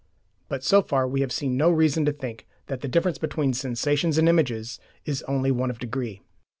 But so far we have seen no reason to think that the difference between sensations and images is only one of degree.